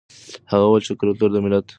هغه وویل چې کلتور د هر ملت روح وي.